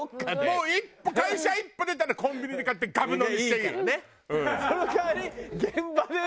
もう会社一歩出たらコンビニで買ってがぶ飲みしていい。